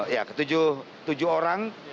ya ketujuh orang